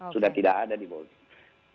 sudah tidak ada di bolding